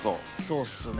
そうですね。